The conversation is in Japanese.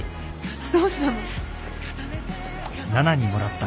どうしたの？